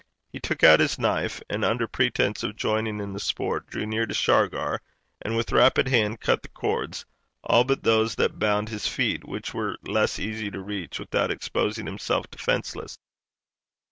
He took out his knife, and under pretence of joining in the sport, drew near to Shargar, and with rapid hand cut the cords all but those that bound his feet, which were less easy to reach without exposing himself defenceless.